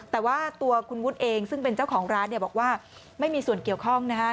แต่ว่าตัวคุณวุฒิเองซึ่งเป็นเจ้าของร้านเนี่ยบอกว่าไม่มีส่วนเกี่ยวข้องนะฮะ